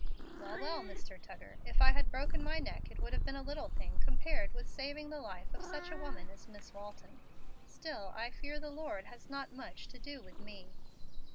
"Well, well, Mr. Tuggar, if I had broken my neck it would have been a little thing compared with saving the life of such a woman as Miss Walton. Still, I fear the Lord has not much to do with me."